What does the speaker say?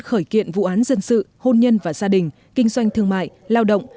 khởi kiện vụ án dân sự hôn nhân và gia đình kinh doanh thương mại lao động